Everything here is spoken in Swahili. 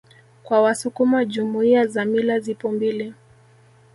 Kwa wasukuma Jumuiya za mila zipo mbili